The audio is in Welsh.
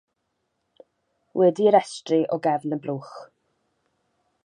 Wedi'i restru o gefn y blwch.